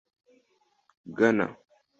Ghana